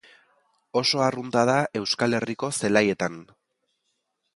Oso arrunta da Euskal Herriko zelaietan.